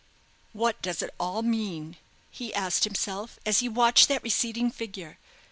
"What does it all mean?" he asked himself, as he watched that receding figure.